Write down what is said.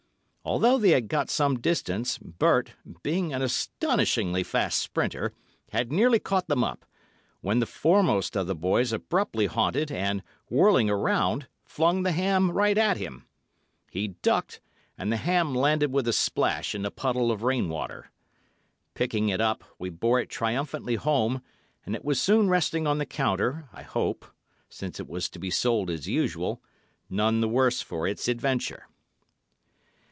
Although they had got some distance, Bert, being an astonishingly fast sprinter, had nearly caught them up, when the foremost of the boys abruptly halted, and, whirling round, flung the ham right at him. He ducked, and the ham landed with a splash in a puddle of rain water. Picking it up, we bore it triumphantly home, and it was soon resting on the counter, I hope—since it was to be sold as usual—none the worse for its adventure.